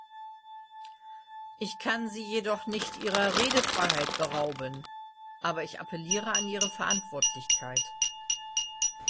Ich kann Sie jedoch nicht Ihrer Redefreiheit berauben, aber ich appelliere an Ihre Verantwortlichkeit.